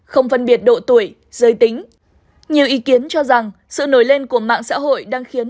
không phân biệt độ tuổi giới tính nhiều ý kiến cho rằng sự nổi lên của mạng xã hội đang khiến